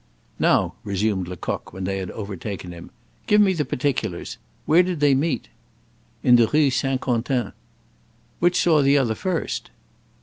"Now," resumed Lecoq when they had overtaken him, "give me the particulars. Where did they meet?" "In the Rue Saint Quentin." "Which saw the other first?"